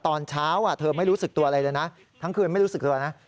ตอนเช้าเธอไม่รู้สึกตัวอะไรเลยนะทั้งคืนไม่รู้สึกเลยนะ